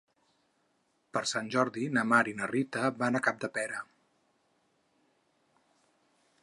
Per Sant Jordi na Mar i na Rita van a Capdepera.